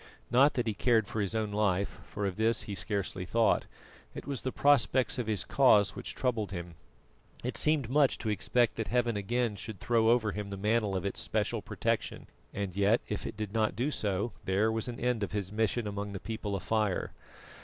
Not that he cared for his own life, for of this he scarcely thought; it was the prospects of his cause which troubled him. It seemed much to expect that Heaven again should throw over him the mantle of its especial protection, and yet if it did not do so there was an end of his mission among the People of Fire.